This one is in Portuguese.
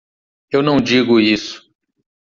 Eu não digo isso.